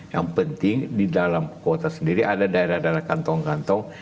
yang penting di dalam kota sendiri ada daerah daerah kantong kantong